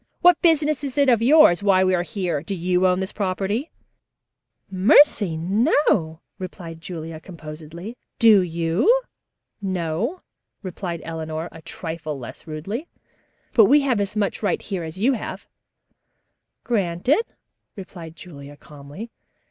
"What business is it of yours why we are here? Do you own this property?" "Mercy, no," replied Julia composedly. "Do you?" "No," replied Eleanor a trifle less rudely, "but we have as much right here as you have." "Granted," replied Julia calmly.